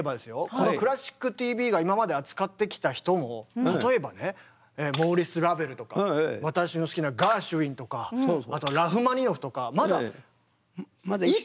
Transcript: この「クラシックＴＶ」が今まで扱ってきた人も例えばねモーリス・ラヴェルとか私の好きなガーシュウィンとかあとラフマニノフとかまだ生きていらっしゃる時。